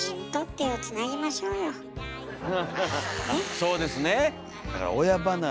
そうですね。